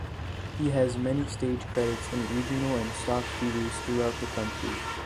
He has many stage credits in regional and stock theatres throughout the country.